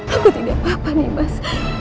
aku tidak apa apa nimas